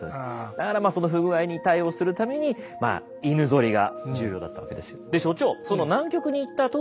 だからその不具合に対応するために犬ゾリが重要だったわけです。